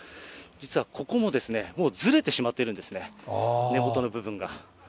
実はここももうずれてしまってるんですね、根元の部分が。